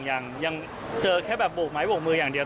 ยังเจอแค่แบบโบกไม้โบกมืออย่างเดียว